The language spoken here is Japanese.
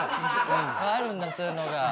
あるんだそういうのが。